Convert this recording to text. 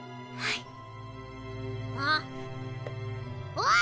おい！